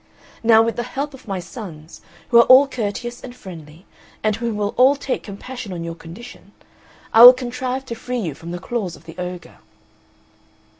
Now with the help of my sons, who are all courteous and friendly, and who will all take compassion on your condition, I will contrive to free you from the claws of the ogre."